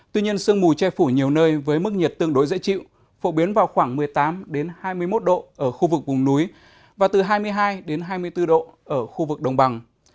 tuy nhiên sương mù che phủ nhiều nơi với mức nhiệt tương đối dễ chịu phổ biến vào khoảng một mươi tám hai mươi một độ ở khu vực vùng núi và từ hai mươi hai hai mươi bốn độ ở khu vực đồng bằng